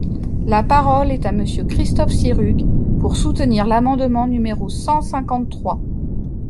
La parole est à Monsieur Christophe Sirugue, pour soutenir l’amendement numéro cent cinquante-trois.